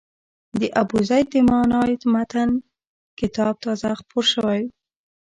د ابوزید د معنای متن کتاب تازه خپور شوی و.